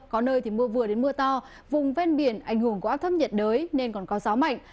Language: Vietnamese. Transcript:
có nơi thì mưa vừa đến mưa to vùng ven biển ảnh hưởng của áp thấp nhiệt đới nên còn có gió mạnh